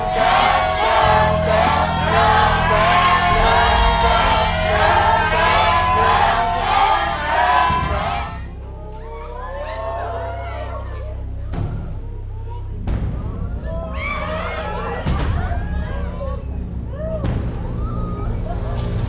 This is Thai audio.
โฆษณ์โฆษณ์